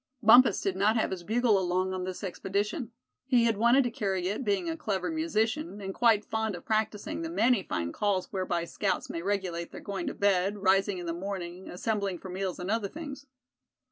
Bumpus did not have his bugle along on this expedition. He had wanted to carry it, being a clever musician, and quite fond of practicing the many fine calls whereby scouts may regulate their going to bed, rising in the morning, assembling for meals, and other things.